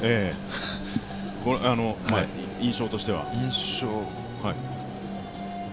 印象としては？